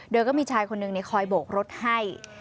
โดยก็มีชายคนหนึ่งคอยโบกรถให้